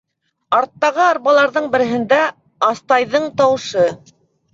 Арттағы арбаларҙың береһендә Астайҙың тауышы.